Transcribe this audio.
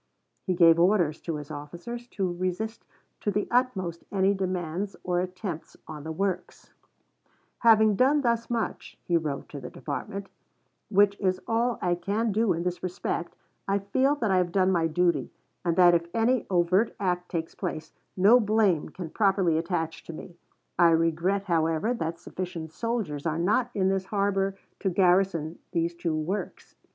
He gave orders to his officers to resist to the utmost any demands or attempts on the works, "Having done thus much," he wrote to the department, "which is all I can do in this respect, I feel that I have done my duty, and that if any overt act takes place, no blame can properly attach to me. I regret, however, that sufficient soldiers are not in this harbor to garrison these two works.